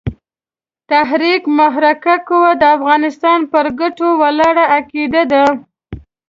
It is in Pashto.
تحرک محرکه قوه د افغانستان پر ګټو ولاړه عقیده ده.